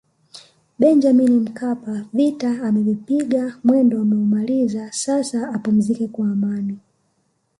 Benjamin Mkapa vita amevipiga mwendo ameumaliza sasa apumzike kwa amani